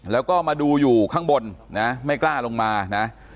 แล้วก็มาดูอยู่ข้างบนนะไม่กล้าลงมานะ